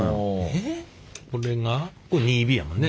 これがこれ２Ｂやもんね。